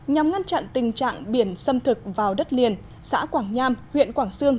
nhằm ngăn chặn tình trạng biển xâm thực vào đất liền xã quảng nham huyện quảng sương